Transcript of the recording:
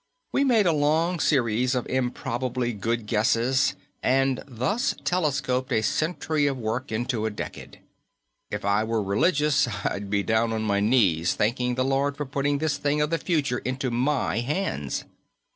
"We made a long series of improbably good guesses, and thus telescoped a century of work into a decade. If I were religious, I'd be down on my knees, thanking the Lord for putting this thing of the future into my hands."